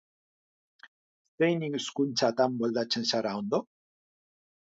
Zein hizkuntzatan moldatzen zara ondo?